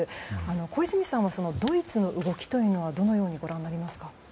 小泉さんはドイツの動きはどのようにご覧になりますか？